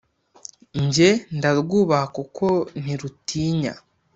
nge ndarwubaha kuko ntirutinya